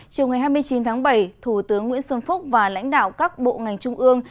chiều ngày hai mươi chín tháng bảy thủ tướng nguyễn xuân phúc và lãnh đạo các bộ ngành trung ương